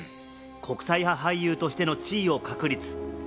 国際派俳優としての地位を確立。